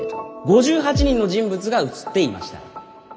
５８人の人物が写っていました。